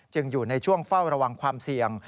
อยู่ในช่วงเฝ้าระวังความเสี่ยง